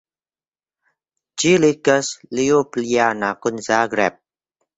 Ĝi ligas Ljubljana kun Zagreb.